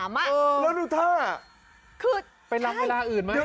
แล้วดูท่าคือไปลำเวลาอื่นไหม